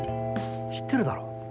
知ってるだろう？